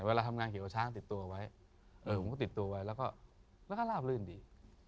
เวลาทำงานเกี่ยวกับช้างติดตัวไว้ผมก็ติดตัวไว้แล้วก็ลาบลื่นดี